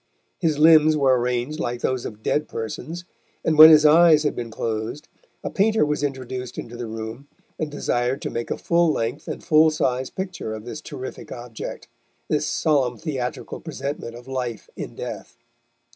His limbs were arranged like those of dead persons, and when his eyes had been closed, a painter was introduced into the room and desired to make a full length and full size picture of this terrific object, this solemn theatrical presentment of life in death.